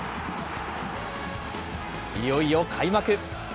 いよいよ開幕。